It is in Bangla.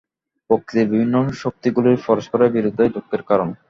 প্রকৃতির বিভিন্ন শক্তিগুলির পরস্পর বিরোধই দুঃখের কারণ।